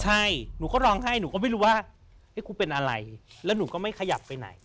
ใช่หนูก็ร้องไห้หนูก็ไม่รู้ว่าครูเป็นอะไรแล้วหนูก็ไม่ขยับไปไหน